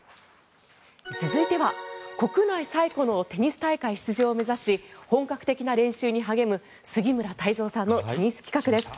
続いては、国内最古のテニス大会出場を目指し本格的な練習に励む杉村太蔵さんのテニス企画です。